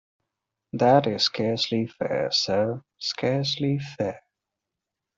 That is scarcely fair, sir, scarcely fair!